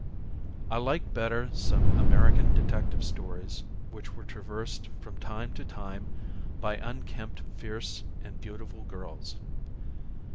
I liked better some American detective stories which were traversed from time to time by unkempt fierce and beautiful girls.